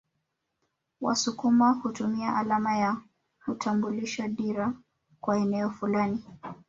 Wasukuma hutumia alama ya utambulisho dira kwa eneo fulani